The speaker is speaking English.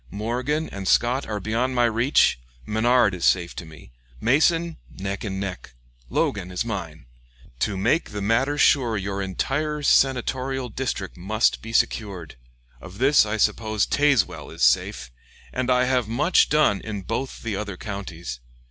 Morgan and Scott are beyond my reach, Menard is safe to me; Mason, neck and neck; Logan is mine. To make the matter sure your entire senatorial district must be secured. Of this I suppose Tazewell is safe, and I have much done in both the other counties.